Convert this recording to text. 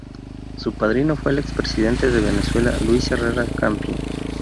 Su padrino fue el expresidente de Venezuela Luis Herrera Campins.